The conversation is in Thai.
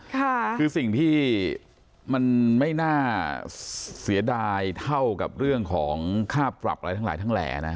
คือสิ่งที่มันไม่น่าเสียดายเท่ากับเรื่องของค่าปรับอะไรทั้งหลายทั้งแหล่นะ